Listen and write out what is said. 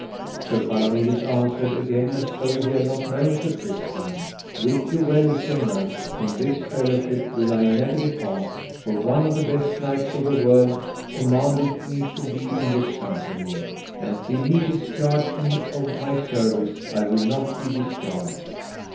Sir Palomides answered again as though he had not known Sir Tristram: Wit you well, sir knight, from this fellowship will I never depart, for one of the best knights of the world commanded me to be in this company, and till he discharge me of my service I will not be discharged.